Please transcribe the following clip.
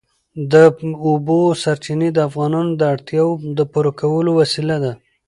د اوبو سرچینې د افغانانو د اړتیاوو د پوره کولو وسیله ده.